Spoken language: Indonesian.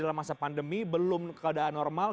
dalam masa pandemi belum keadaan normal